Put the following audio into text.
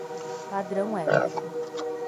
Padrão hétero